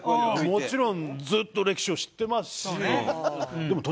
もちろんずっと歴史を知ってますし。